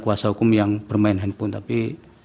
kuasa hukum yang bermain handphone tapi